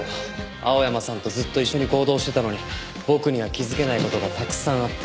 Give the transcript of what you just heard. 青山さんとずっと一緒に行動してたのに僕には気づけない事がたくさんあって。